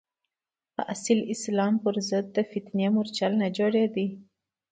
د اصیل اسلام پر ضد د فتنې مورچل نه جوړېدلو.